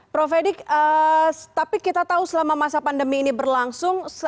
prof edik tapi kita tahu selama masa pandemi ini berlangsung